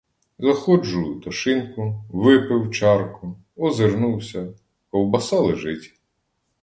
Заходжу до шинку, випив чарку, озирнувся — ковбаса лежить.